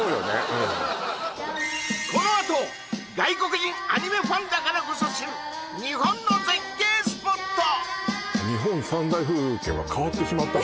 うんこのあと外国人アニメファンだからこそ知る日本の絶景スポット！